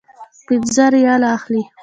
پنځه ریاله اخلي.